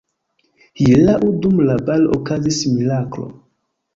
Hieraŭ dum la balo okazis miraklo.